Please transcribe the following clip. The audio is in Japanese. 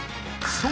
［そう］